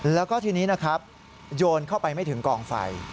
แล้วก็ทีนี้นะครับโยนเข้าไปไม่ถึงกองไฟ